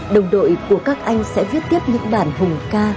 đồng đội của các anh sẽ viết tiếp những bản hùng ca